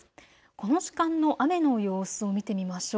この時間の雨の様子を見てみましょう。